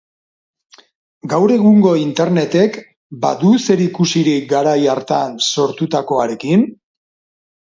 Gaur egungo internetek badu zerikusirik garai hartan sortutakoarekin?